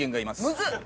むずっ！